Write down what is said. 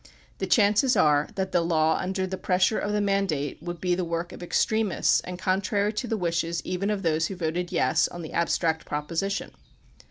The chances are that the law under the pressure of the mandate would be the work of extremists and contrary to the wishes even of those who voted "yes" on the abstract proposition.